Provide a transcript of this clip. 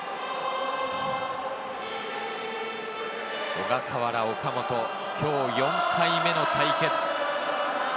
小笠原、岡本、今日４回目の対決。